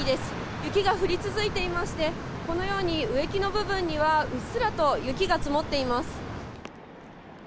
雪が降り続いていまして、このように植木の部分には、うっすらと雪が積もっています。